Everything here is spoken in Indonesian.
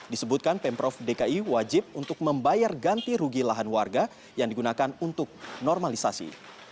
disebutkan pemprov dki wajib untuk membayar ganti rugi lahan warga yang digunakan untuk normalisasi